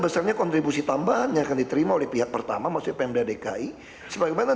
besarnya kontribusi tambahan yang akan diterima oleh pihak pertama masih pendekai sebagai mana